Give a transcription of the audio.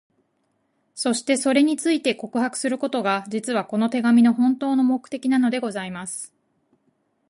そして、それについて、告白することが、実は、この手紙の本当の目的なのでございます。